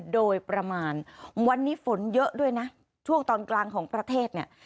โดยประมาณวันนี้ฝนเยอะด้วยนะช่วงตอนกลางของประเทศเนี่ย